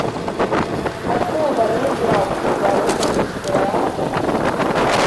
Ar kū var nūbraukt da Operys teatra?